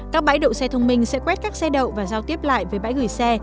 các bãi đậu xe thông minh sẽ quét các xe đậu và giao tiếp lại với bãi gửi xe